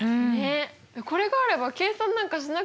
これがあれば計算なんかしなくていいじゃん。